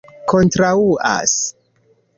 kontraŭas